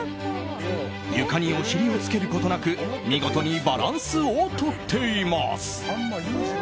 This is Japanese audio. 床にお尻を付けることなく見事にバランスをとっています。